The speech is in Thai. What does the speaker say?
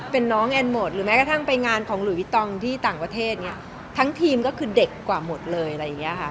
เป็นน้องแอนโหมดหรือแม้กระทั่งไปงานของหลุยพี่ตองที่ต่างประเทศเนี่ยทั้งทีมก็คือเด็กกว่าหมดเลยอะไรอย่างเงี้ยค่ะ